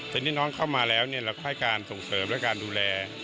ทีนี้น้องเข้ามาแล้วเราก็ให้การส่งเสริมและการดูแล